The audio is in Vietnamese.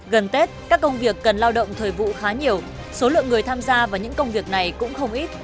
gần tết các công việc cần lao động thời vụ khá nhiều số lượng người tham gia vào những công việc này cũng không ít